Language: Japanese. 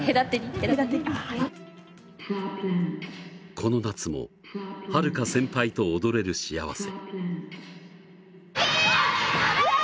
この夏もはるか先輩と踊れる幸せ。